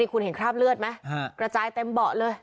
คุณเห็นคราบเลือดไหมกระจายเต็มเบาะเลย